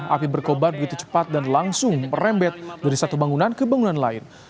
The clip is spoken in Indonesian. api berkobar begitu cepat dan langsung merembet dari satu bangunan ke bangunan lain